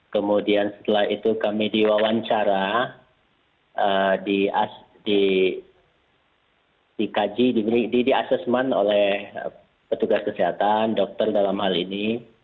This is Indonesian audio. kemudian setelah itu kami diwawancara dikaji di asesmen oleh petugas kesehatan dokter dalam hal ini